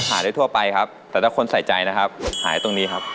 แต่ถ้าคนใจใจนะครับหาด้วยตรงนี้ครับ